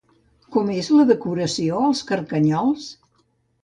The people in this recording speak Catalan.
Com és la decoració als carcanyols?